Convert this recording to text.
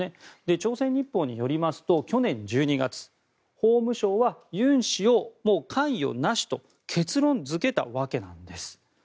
朝鮮日報によりますと去年１２月法務省はユン氏を関与なしと結論付けたわけなんです。